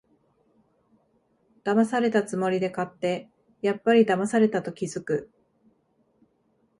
だまされたつもりで買って、やっぱりだまされたと気づく